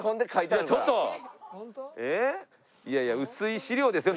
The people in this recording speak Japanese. いやいや薄い資料ですよ。